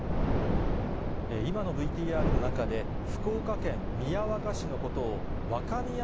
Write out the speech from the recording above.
今のＶＴＲの中で、福岡県宮若市のことをわかみや